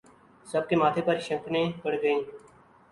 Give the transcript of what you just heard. سب کے ماتھے پر شکنیں پڑ گئیں